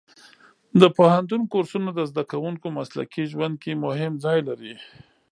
د پوهنتون کورسونه د زده کوونکو مسلکي ژوند کې مهم ځای لري.